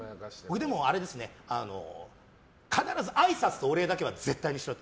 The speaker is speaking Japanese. でも、必ずあいさつとお礼だけは絶対にしろと。